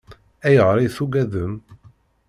Ayɣer i tugadem?